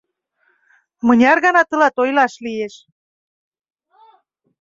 Мыняр гана тылат ойлаш лиеш?